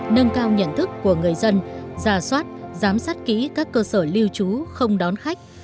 nâng cao nhận thức của người dân giả soát giám sát kỹ các cơ sở lưu trú không đón khách